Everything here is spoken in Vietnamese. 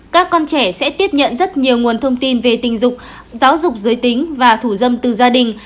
các con trẻ sẽ tiếp nhận rất nhiều nguồn thông tin về tình dục giáo dục giới tính và thủ dâm từ gia đình